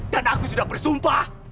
dan aku sudah bersumpah